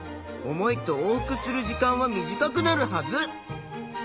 重いと往復する時間は短くなるはず。